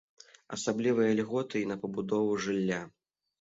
Асаблівыя льготы і на пабудову жылля.